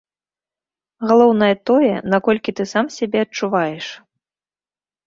Галоўнае тое, наколькі ты сам сябе адчуваеш.